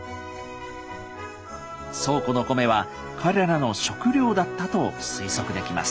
倉庫の米は彼らの食料だったと推測できます。